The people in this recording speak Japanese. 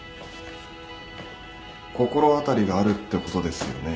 心当たりがあるってことですよね